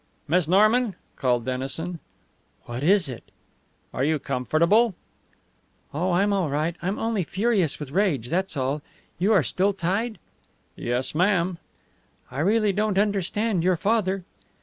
"Miss Norman?" called Dennison. "What is it?" "Are you comfortable?" "Oh, I'm all right. I'm only furious with rage, that's all. You are still tied?" "Yes, ma'am." "I really don't understand your father."